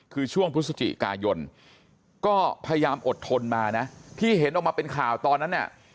คือช่วงพฤศจิกายนก็พยายามอดทนมานะที่เห็นออกมาเป็นข่าวตอนนั้นเนี่ย